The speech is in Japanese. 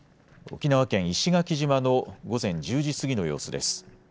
沖縄県石垣島の午前１０時過ぎの様子です。